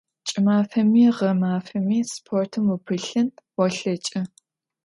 Ç'ımafemi ğemafemi sportım vupılhın volheç'ı.